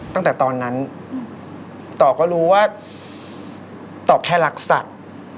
ตั้งแต่ตอนนั้นต่อก็รู้ว่าต่อแค่รักสัตว์